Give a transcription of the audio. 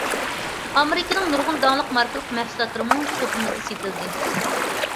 ئامېرىكىنىڭ نۇرغۇن داڭلىق ماركىلىق مەھسۇلاتلىرىمۇ سۇپىمىزدا سېتىلدى.